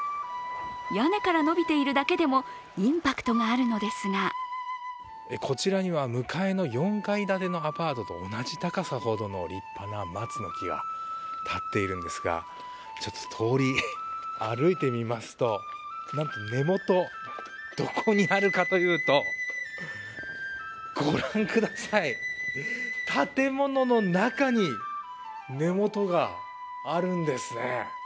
屋根から伸びているだけでもインパクトがあるのですがこちらには、向かいの４階建てのアパートと同じほどの高さの立派な松の木が立っているんですが、通りを歩いてみますと、根元、どこにあるかというとご覧ください、建物の中に根元があるんですね。